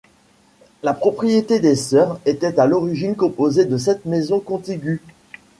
La propriété des Sœurs était à l'origine composée de sept maisons contiguës.